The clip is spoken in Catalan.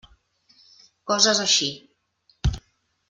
Coses així.